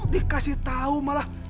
dikasih tahu malah